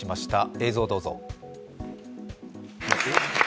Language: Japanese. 映像をどうぞ。